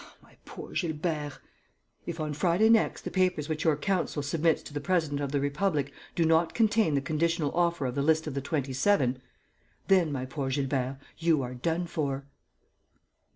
My poor Gilbert! If, on Friday next, the papers which your counsel submits to the president of the Republic do not contain the conditional offer of the list of the Twenty seven, then, my poor Gilbert, you are done for!"